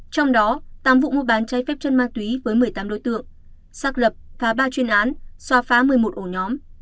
trong đó tám vụ mua bán trái phép chân ma túy với một mươi tám đối tượng xác lập phá ba chuyên án xóa phá một mươi một ổ nhóm